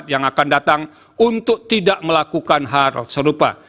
yang akan datang untuk tidak melakukan hal serupa